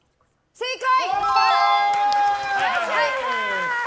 正解！